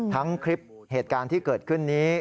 ทั้งคลิปเหตุการณ์ที่เกิดขึ้นนี้